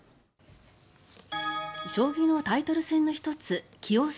将棋のタイトル戦の１つ棋王戦